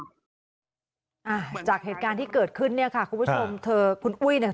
จากเหตุการณ์ที่เกิดขึ้นเนี่ยค่ะคุณผู้ชมเธอคุณอุ้ยเนี่ย